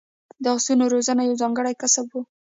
د اسونو روزنه یو ځانګړی کسب و